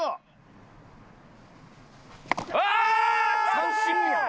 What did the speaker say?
三振やん。